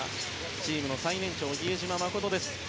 チームの最年長比江島慎です。